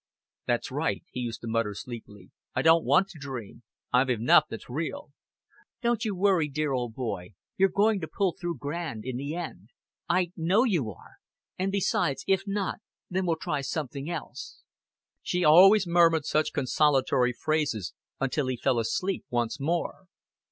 "That's right," he used to mutter sleepily. "I don't want to dream. I've enough that's real." "Don't you worry, dear old boy. You're going to pull through grand in the end. I know you are. Besides, if not then we'll try something else." She always murmured such consolatory phrases until he fell asleep once more.